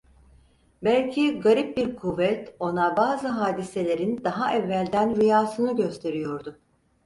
Belki garip bir kuvvet ona bazı hadiselerin daha evvelden rüyasını gösteriyordu.